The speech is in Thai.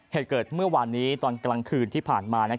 เหตุเกิดเมื่อวานนี้ตอนกลางคืนที่ผ่านมา